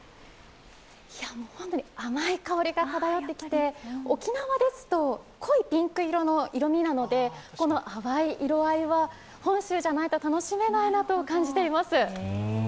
甘い香りが漂ってきて、沖縄ですと、濃いピンク色の色みなのでこの淡い色合いは本州じゃないと楽しめないなと感じています。